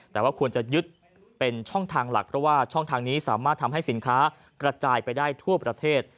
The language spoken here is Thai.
แต่ว่าควรจะยึดเป็นช่องทางหลักเพราะว่าช่องทางนี้สามารถทำให้สินค้ากระจายไปได้ทั่วประเทศ